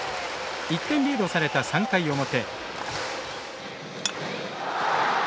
１点リードされた３回表。